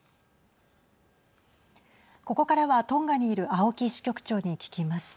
ここからはトンガにいる青木支局長に聞きます。